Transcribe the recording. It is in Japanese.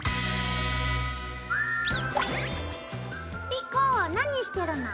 莉子何してるの？